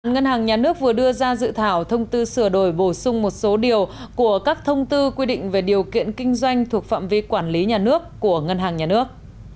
ngân hàng nhà nước vừa đưa ra dự thảo thông tư sửa đổi bổ sung một số điều của các thông tư quy định về điều kiện kinh doanh thuộc phạm vi quản lý nhà nước của ngân hàng nhà nước